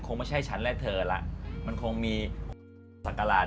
ตอนที่ใจแต่งงาน